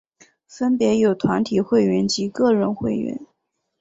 分别有团体会员及个人会员。